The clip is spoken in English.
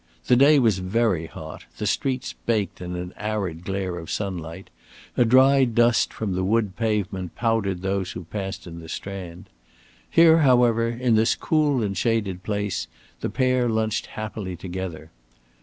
The day was very hot, the streets baked in an arid glare of sunlight; a dry dust from the wood pavement powdered those who passed by in the Strand. Here, however, in this cool and shaded place the pair lunched happily together.